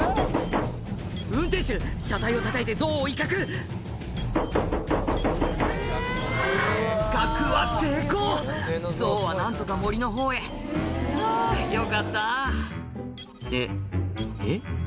運転手車体をたたいてゾウを威嚇威嚇は成功ゾウは何とか森のほうへあぁよかったってえっ？